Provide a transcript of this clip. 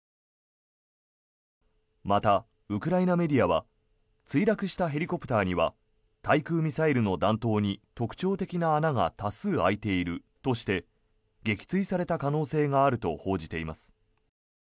また、ウクライナメディアは墜落したヘリコプターには対空ミサイルの弾頭に特徴的な穴が多数開いているとして撃墜された可能性があると報じています。